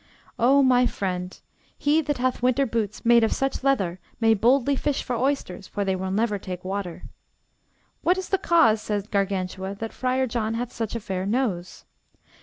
Oh, my friend, he that hath winter boots made of such leather may boldly fish for oysters, for they will never take water. What is the cause, said Gargantua, that Friar John hath such a fair nose?